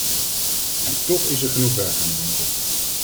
En toch is er genoeg werk aan de winkel!